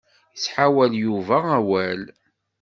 Ittḥawal Yuba awal.